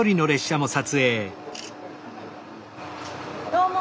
どうも。